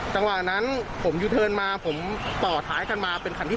จังหวะนั้นผมยูเทิร์นมาผมต่อท้ายกันมาเป็นคันที่๓